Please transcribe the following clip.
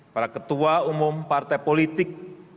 para ketua umum partai politik